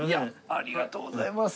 ありがとうございます。